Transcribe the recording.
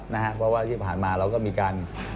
เพราะว่าที่ผ่านมาเราก็มีการ